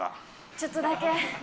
ちょっとだけ。